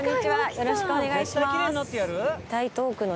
よろしくお願いします。